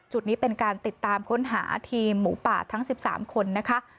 จุดนี้เป็นการติดตามค้นหาทีมหมูป่าทั้ง๑๓คนนะคะ